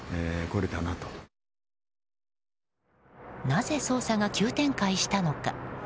なぜ捜査が急展開したのか。